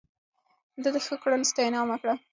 ده د ښو کړنو ستاينه عامه کړه.